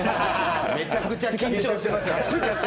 めちゃめちゃ緊張してましたね。